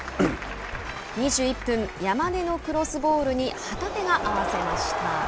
２１分山根のクロスボールに旗手が合わせました。